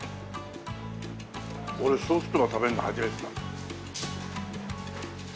俺ソーキそば食べるの初めてだ。